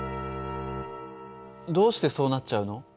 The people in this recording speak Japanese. どうしてそうなっちゃうの？